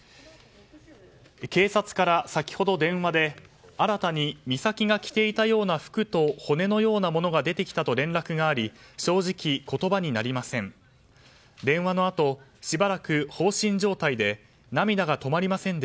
警察から先ほど電話で新たに美咲が着ていたような服と骨のようなものが出てきたと連絡があり正直、言葉になりません。